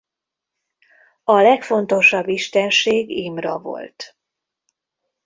A legfontosabb istenség Imra volt.